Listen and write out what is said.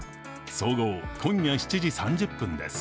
総合、今夜７時３０分です。